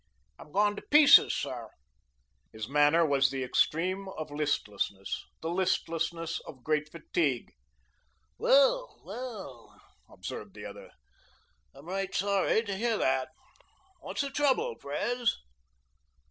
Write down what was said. I'm gone to pieces, sir." His manner was the extreme of listlessness the listlessness of great fatigue. "Well, well," observed the other. "I'm right sorry to hear that. What's the trouble, Pres?"